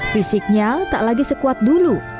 fisiknya tak lagi sekuat dulu